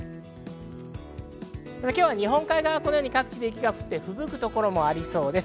今日は日本海側は各地で雪が降って、吹雪くところもありそうです。